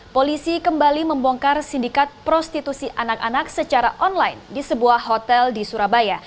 polisi kembali membongkar sindikat prostitusi anak anak secara online di sebuah hotel di surabaya